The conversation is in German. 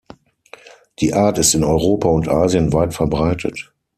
Die Art ist in Europa und Asien weit verbreitet.